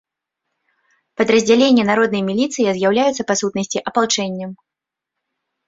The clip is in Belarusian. Падраздзялення народнай міліцыя з'яўляюцца, па сутнасці, апалчэннем.